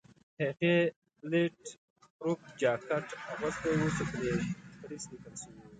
هغې بلېټ پروف جاکټ اغوستی و چې پرې پریس لیکل شوي وو.